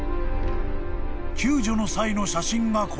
［救助の際の写真がこちら］